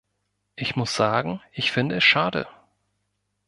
Ich muss sagen, ich finde es schade.